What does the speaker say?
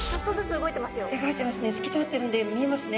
動いてますね。